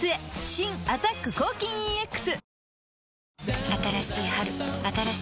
新「アタック抗菌ＥＸ」あっ！！